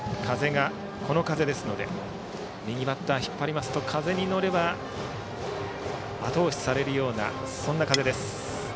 この風ですので右バッターは引っ張りますと風に乗ればあと押しされるようなそんな風です。